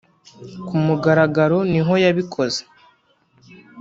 Kumugaragaro nihoyabikoze.